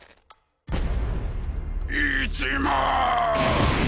１万！